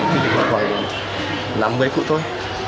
mình hoài hoài làm với phụ thôi